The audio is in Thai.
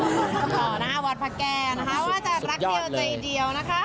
น้องศักดิ์ขอนะคะวัดพระแก้วนะคะว่าจะรักเดียวใจเดียวนะค่ะ